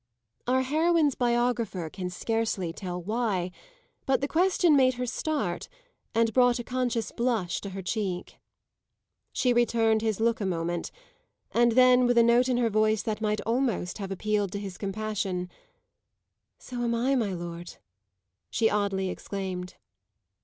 Our heroine's biographer can scarcely tell why, but the question made her start and brought a conscious blush to her cheek. She returned his look a moment, and then with a note in her voice that might almost have appealed to his compassion, "So am I, my lord!" she oddly exclaimed.